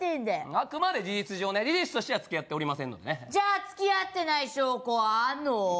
あくまで事実上ね事実としては付き合っておりませんのでねじゃあ付き合ってない証拠はあんの？